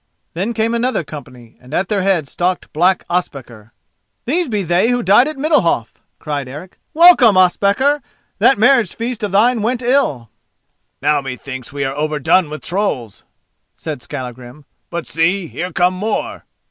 Then came another company, and at their head stalked black Ospakar. "These be they who died at Middalhof," cried Eric. "Welcome, Ospakar! that marriage feast of thine went ill!" "Now methinks we are overdone with trolls," said Skallagrim; "but see! here come more."